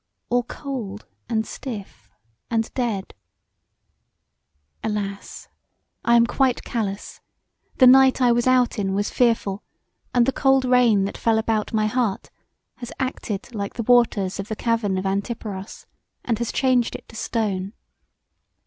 All cold, and stiff, and dead! Alas! I am quite callous: the night I was out in was fearful and the cold rain that fell about my heart has acted like the waters of the cavern of Antiparos and has changed it to stone.